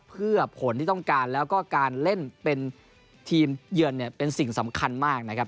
เพื่อผลที่ต้องการแล้วก็การเล่นเป็นทีมเยือนเนี่ยเป็นสิ่งสำคัญมากนะครับ